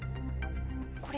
これ。